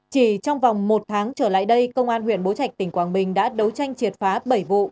chỉ trong vòng một tháng trở lại đây công an huyện bố trạch tỉnh quảng bình đã đấu tranh triệt phá bảy vụ